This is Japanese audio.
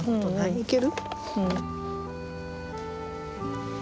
いける？